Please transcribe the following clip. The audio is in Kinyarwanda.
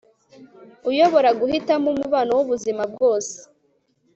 uyobora guhitamo umubano wubuzima bwose